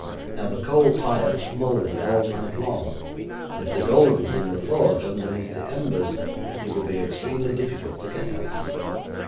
Now, the coal fire smouldered all night long, and if the gold was in the forge underneath the embers, it would be extremely difficult to get at.